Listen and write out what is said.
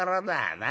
なあ。